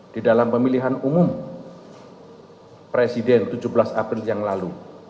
di dalam pemilihan umum presiden tujuh belas april yang lalu